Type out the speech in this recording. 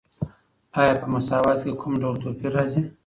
آیا په مساوات کې کوم ډول توپیر راځي؟